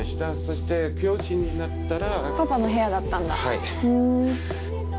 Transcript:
はい。